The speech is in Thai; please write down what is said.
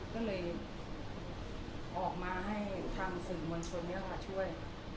ก็เลยออกมาให้ทันสินวัญชนิยังมาช่วย